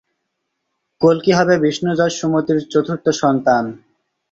কল্কি হবে বিষ্ণুযশ-সুমতির চতুর্থ সন্তান।